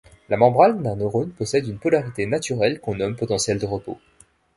La membrane d'un neurone possède une polarité naturelle qu'on nomme potentiel de repos.